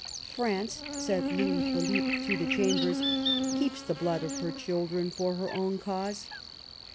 " France/* said Louis Philippe to the Chambers, *' keeps the blood of her children for her own cause.'